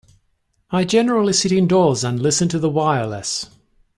I generally sit indoors and listen to the wireless.